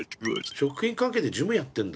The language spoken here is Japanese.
食品関係で事務やってんだ。